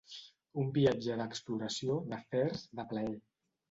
Un viatge d'exploració, d'afers, de plaer.